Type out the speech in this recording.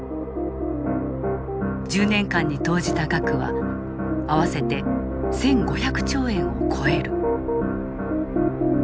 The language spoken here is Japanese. １０年間に投じた額は合わせて１，５００兆円を超える。